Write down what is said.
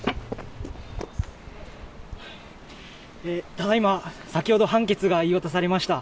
ただいま、先ほど判決が言い渡されました。